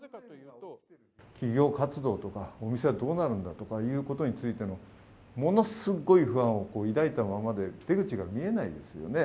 企業活動とか、お店はどうなるのかということについてのものすごい不安を抱いたままで出口が見えないですよね。